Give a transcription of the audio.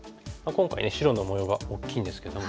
今回ね白の模様が大きいんですけども。